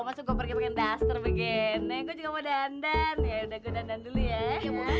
hah lu takut kalau dia tau